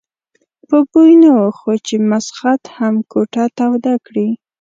په بوی نه وو خو چې مسخد هم کوټه توده کړي.